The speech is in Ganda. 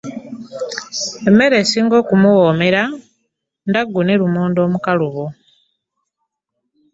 Emmere esinga okumuwoomera ndaggu ne lumonde omukalubo.